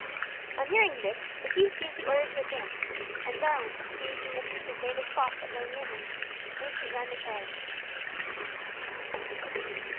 On hearing this, the Chief gave the order to advance, and Jarwin, seizing a piece of native cloth that lay near him, waved it round his head.